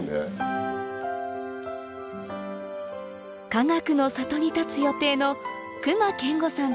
かがくの里に建つ予定の隈研吾さん